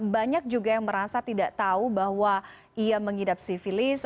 banyak juga yang merasa tidak tahu bahwa ia mengidap sivilis